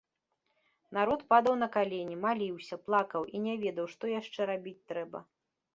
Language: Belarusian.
Народ падаў на калені, маліўся, плакаў і не ведаў, што яшчэ рабіць трэба.